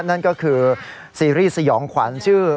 นั่นก็คือซีรีส์สยองขวัญชื่อ